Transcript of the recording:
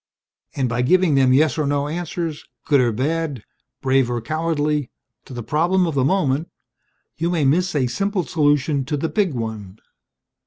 And by giving them yes or no answers good or bad, brave or cowardly to the problem of the moment you may miss a simple solution to the big one.